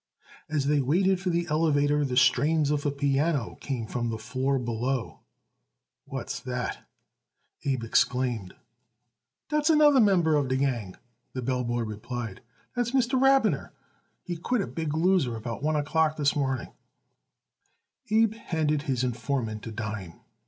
As they waited for the elevator the strains of a piano came from the floor below. "What's that?" Abe exclaimed. "Dat's anudder member of de gang," the bell boy replied. "Dat's Mr. Rabiner. He quit a big loser about one o'clock dis mornin'." Abe handed his informant a dime.